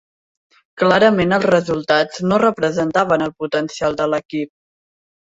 Clarament els resultats no representaven el potencial de l'equip.